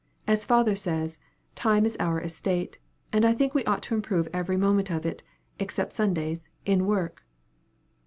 As father says, 'time is our estate,' and I think we ought to improve every moment of it, except Sundays, in work."